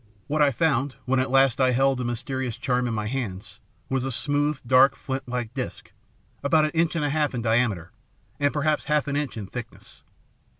What I found, when at last I held the mysterious charm in my hands, was a smooth, dark, flint like disc, about an inch and a half in diameter, and perhaps half an inch in thickness.